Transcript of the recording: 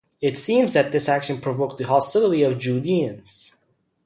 It seems that this action provoked the hostility of the Judaeans.